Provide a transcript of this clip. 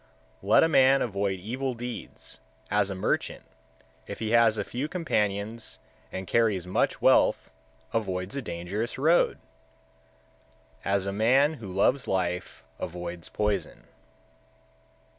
123. Let a man avoid evil deeds, as a merchant, if he has few companions and carries much wealth, avoids a dangerous road; as a man who loves life avoids poison.